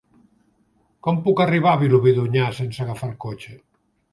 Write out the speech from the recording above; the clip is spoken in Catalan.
Com puc arribar a Vilobí d'Onyar sense agafar el cotxe?